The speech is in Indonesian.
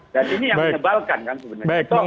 dan ini yang menyebalkan